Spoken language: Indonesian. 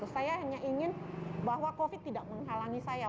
saya hanya ingin bahwa covid tidak menghalangi saya